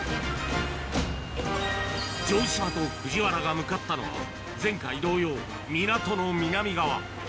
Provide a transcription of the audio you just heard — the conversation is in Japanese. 城島と藤原が向かったのは、前回同様、港の南側。